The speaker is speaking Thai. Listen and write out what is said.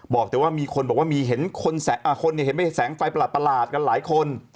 บอกแต่ว่ามีคนบอกว่าเห็นแสงไฟประหลาดกันหลายคน